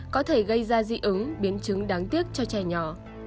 có thể gây ra dị ứng biến chứng đáng tiếc cho trẻ nhỏ